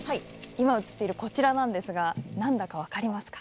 今映っているこちらなんですが何だか分かりますか？